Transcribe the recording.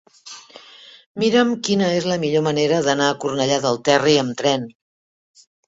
Mira'm quina és la millor manera d'anar a Cornellà del Terri amb tren.